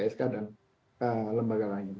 psk dan lembaga lain